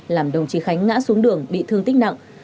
làm đồng chí khánh ngã xuống đường bị thương tích nặng